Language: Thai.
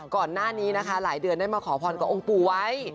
ก่อนหน้านี้นะคะหลายเดือนได้มาขอพรกับองค์ปู่ไว้